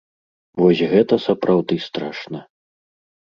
Вось гэта сапраўды страшна.